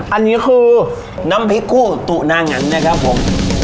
อันนี้คือน้ำพริกคู่ตุนางันนะครับผม